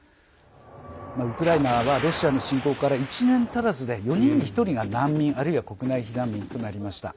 ウクライナはロシアの侵攻から１年足らずで４人に１人が難民あるいは国内避難民となりました。